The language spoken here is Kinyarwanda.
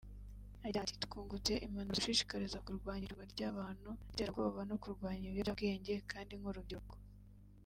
Agira ati “Twungutse impanuro zidushishikariza kurwanya icuruzwa ry’abantu n’iterabwoba no kurwanya ibiyobyabwenge kandi nk’urubyiruko